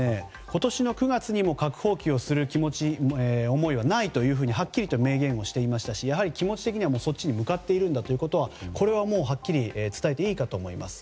今年の９月にも核放棄をする思いはないとはっきりと明言していましたし気持ち的にはそっちに向かっているんだということははっきり伝えていいかと思います。